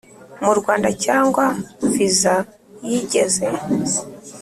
Mu rwanda cyangwa viza yigeze